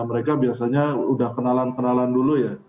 mereka biasanya udah kenalan kenalan dulu ya